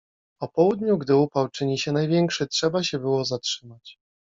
O południu, gdy upał czyni się największy, trzeba się było zatrzymać.